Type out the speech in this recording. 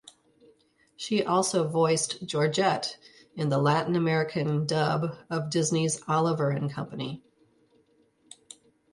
She also voiced Georgette in the Latin American dub of Disney's Oliver and Company.